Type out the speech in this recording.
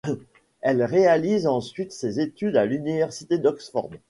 Elle réalise ensuite ses études à l'université d'Oxford.